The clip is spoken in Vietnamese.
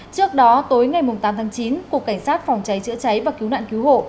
trước đó tối ngày tám tháng chín cục cảnh sát phòng cháy chữa cháy và cứu nạn cứu hộ